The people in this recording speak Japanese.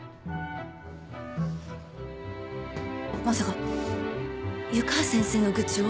まさか湯川先生の愚痴を？